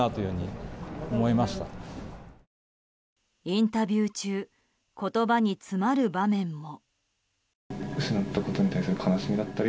インタビュー中言葉に詰まる場面も。